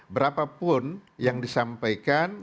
berapapun yang disampaikan